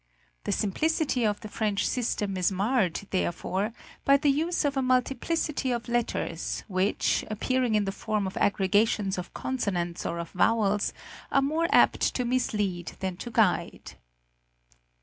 The simplicity of the French system is marred, therefore, by the use of a multiplicity of letters, which, appearing in the form of aggregations of consonants or of vowels, are more apt to mislead than to guide.